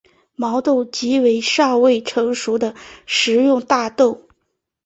毛豆即为尚未成熟的食用大豆。